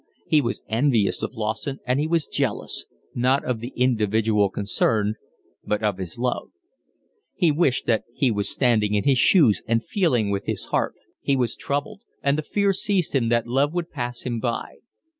He was envious of Lawson, and he was jealous, not of the individual concerned, but of his love. He wished that he was standing in his shoes and feeling with his heart. He was troubled, and the fear seized him that love would pass him by.